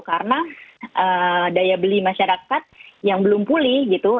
karena daya beli masyarakat yang belum pulih gitu